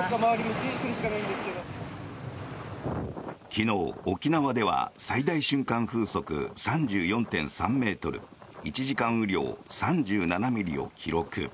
昨日、沖縄では最大瞬間風速３４．３ｍ１時間雨量３７ミリを記録。